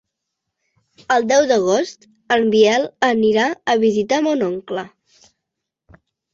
El deu d'agost en Biel anirà a visitar mon oncle.